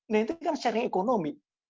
nah itu kan secara ekonomi